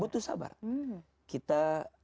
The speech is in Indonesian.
butuh sabar kita